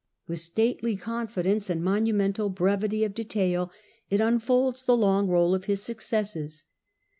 With stately con fidence and monumental brevity of detail it unfolds the long roll of his successes.